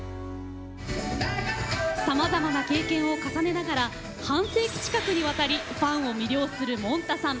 さまざまな経験を重ねながら半世紀近くにわたりファンを魅了する、もんたさん。